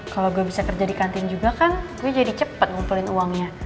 kalau gue bisa kerja di kantin juga kan gue jadi cepet ngumpulin uangnya